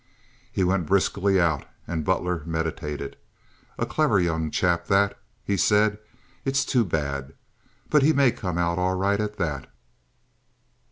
He went briskly out, and Butler meditated. "A clever young chap that," he said. "It's too bad. But he may come out all right at that."